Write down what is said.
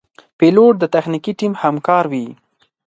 پیلوټ د تخنیکي ټیم همکار وي.